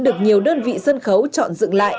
được nhiều đơn vị sân khấu